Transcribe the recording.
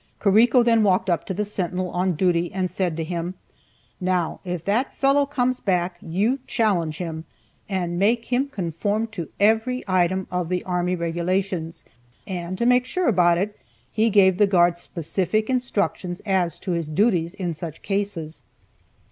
Carrico then walked up to the sentinel on duty and said to him, "Now, if that fellow comes back, you challenge him, and make him conform to every item of the army regulations;" and to make sure about it, he gave the guard specific instructions as to his duties in such cases.